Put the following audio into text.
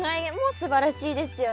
すばらしいよね。